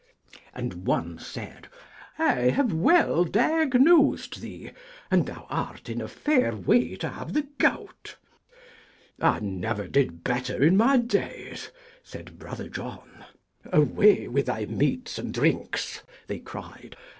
And one said, 'I have well diagnosed thee, and thou art in a fair way to have the gout.' 'I never did better in my days,' said Brother John. 'Away with thy meats and drinks!' they cried.